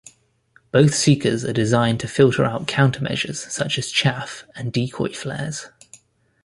Both seekers are designed to filter out counter-measures such as chaff and decoy flares.